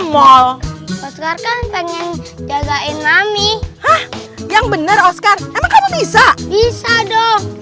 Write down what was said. mall pengen jagain mami yang bener oscar bisa bisa dong